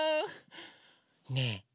ねえ